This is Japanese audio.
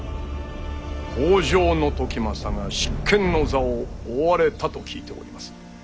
北条時政が執権の座を追われたと聞いております。